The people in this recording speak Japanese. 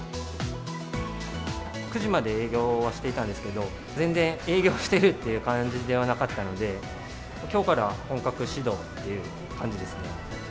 ９時まで営業してたんですけど、全然営業してるっていう感じではなかったので、きょうから本格始動という感じですね。